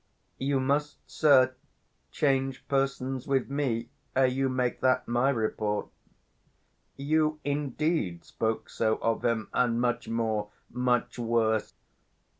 _ You must, sir, change persons with me, ere you make that my report: you, indeed, spoke so of him; and 335 much more, much worse.